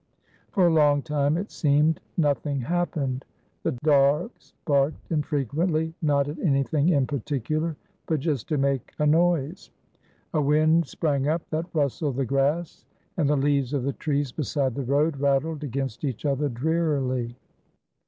For a long time, it seemed, nothing happened. The dogs barked infrequently, not at anything in particular, but just to make a noise. A wind sprang up that rustled the grass, and the leaves of the trees beside the road rattled against each other, drearily.